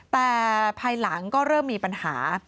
แต่ภายหลังก็เริ่มมีปัญหา